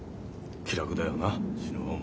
気楽だよな死ぬ方も。